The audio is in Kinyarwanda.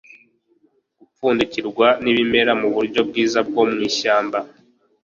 Gipfundikirwa nibimera muburyo bwiza bwo mwishyamba